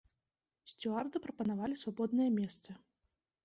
Сцюарды прапанавалі свабодныя месцы.